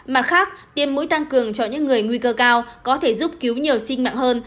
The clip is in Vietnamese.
mặt khác tiêm mũi tăng cường cho những người nguy cơ cao có thể giúp cứu nhiều sinh mạng hơn